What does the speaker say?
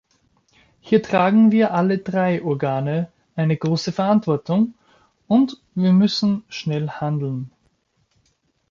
Hier tragen wir alle drei Organe eine große Verantwortung, und wir müssen schnell handeln.